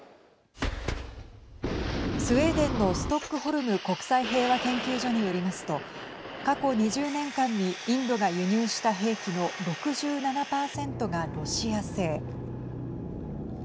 スウェーデンのストックホルム国際平和研究所によりますと過去２０年間にインドが輸入した兵器の６７％がロシア製。